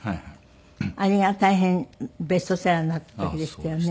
あれが大変ベストセラーになった時でしたよね。